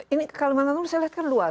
ini kalimantan timur saya lihat kan luas